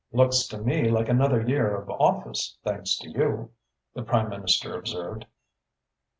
"Looks to me like another year of office, thanks to you," the Prime Minister observed.